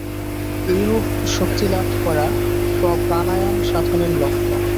এইরূপ শক্তিলাভ করা প্রাণায়াম-সাধনের লক্ষ্য।